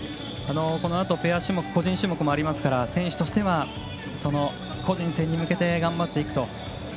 このあとペア種目個人種目もありますから選手としては、個人戦に向けて頑張っていくと。